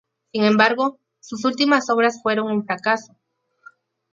Sin embargo, sus últimas obras fueron un fracaso.